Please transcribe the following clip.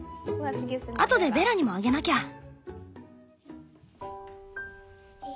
後でベラにもあげなきゃ！